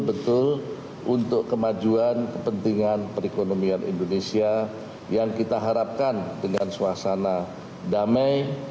dan tentu dengan partai partai golkar kita bisa mencari suasana yang damai